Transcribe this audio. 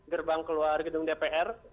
gerbang keluar gedung dpr